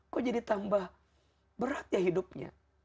kok jadi tambah berat ya hidupnya